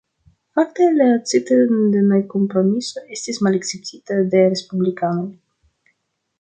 Fakte, la Crittenden-Kompromiso estis malakceptita de Respublikanoj.